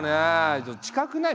ちょっ近くない？